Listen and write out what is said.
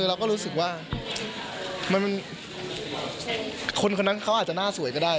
เราก็รู้สึกว่าคนคนนั้นเขาอาจจะหน้าสวยก็ได้